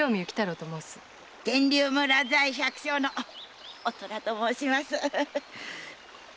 天竜村在百姓の“おとら”と申します。